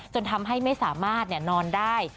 จนทำให้ไม่สามารถนอนได้